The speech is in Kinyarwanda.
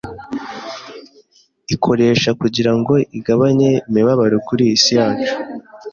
ikoresha kugira ngo igabanye imibabaro kuri iyi si yacu